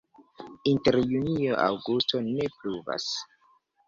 Inter junio-aŭgusto ne pluvas.